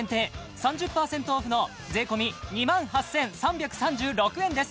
３０％オフの税込２万８３３６円です